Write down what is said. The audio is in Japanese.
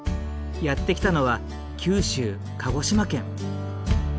やって来たのは九州鹿児島県。